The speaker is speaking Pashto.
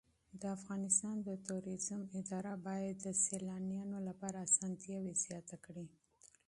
د افغانستان د توریزم اداره باید د سېلانیانو لپاره اسانتیاوې زیاتې کړي.